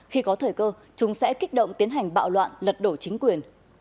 khi có thời cơ chúng sẽ kích động tiến hành bạo loạn lật đổ chính quyền